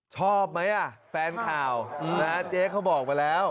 ชอบไหมอ่ะแฟนข่าวนะเจ๊เขาบอกมาแล้ว